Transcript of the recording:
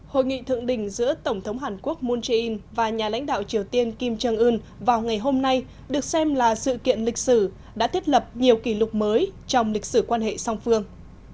hội nghị thượng đỉnh giữa tổng thống hàn quốc moon jae in và nhà lãnh đạo triều tiên kim jong un vào ngày hôm nay được xem là sự kiện lịch sử đã thiết lập nhiều kỷ lục mới trong lịch sử quan hệ song phương